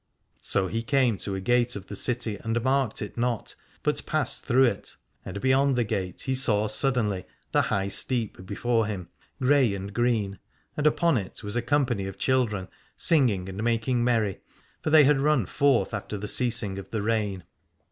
So he came to a gate of the city and marked it not, but passed through it : and beyond the gate he saw suddenly the High Steep before him, grey and green, and upon it was a company of children singing and making merry, for they had run forth after the ceasing of the rain.